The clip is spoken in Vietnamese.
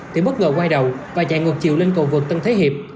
thì bất ngờ quay đầu và chạy ngược chiều lên cầu vượt tân thế hiệp